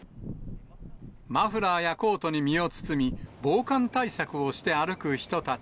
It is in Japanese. マフラーやコートに身を包み、防寒対策をして歩く人たち。